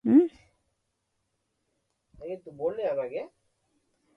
రసిక శేఖరులకు నొసగినాడు